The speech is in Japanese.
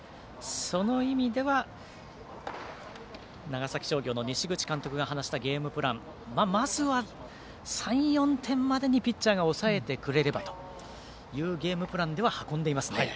その意味では長崎商業の西口監督が話したゲームプランまずは３４点までにピッチャーが抑えてくれればというゲームプランでは運んでいますね。